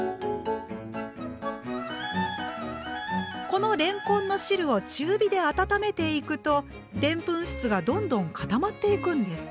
このれんこんの汁を中火で温めていくとでんぷん質がどんどん固まっていくんです。